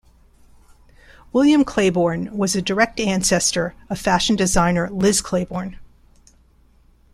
William Claiborne was a direct ancestor of fashion designer Liz Claiborne.